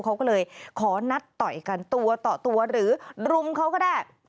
เขาก็เลยขอนัดต่อยกันตัวต่อตัวหรือรุมเขาก็ได้